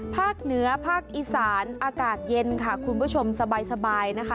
ภาคเหนือภาคอีสานอากาศเย็นค่ะคุณผู้ชมสบายนะคะ